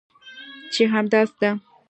چې همداسې ده؟